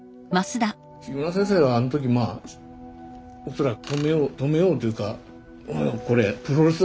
木村先生はあの時まあ恐らく止めよう止めようというかこれプロレスだろ？